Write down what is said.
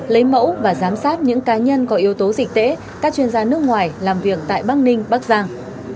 lấy mẫu và giám sát những cá nhân có yếu tố dịch tễ các chuyên gia nước ngoài làm việc tại bắc ninh bắc giang